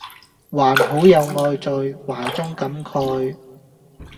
還好有愛在懷中感慨